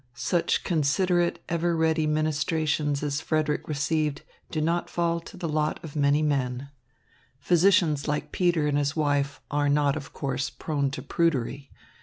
Such considerate, ever ready ministrations as Frederick received do not fall to the lot of many men. Physicians like Peter and his wife are not, of course, prone to prudery.